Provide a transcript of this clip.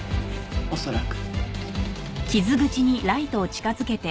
恐らく。